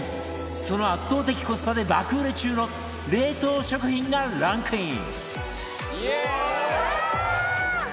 その圧倒的コスパで爆売れ中の冷凍食品がランクイン